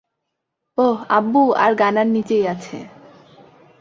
ওহ, আব্বু আর গানার নিচেই আছে।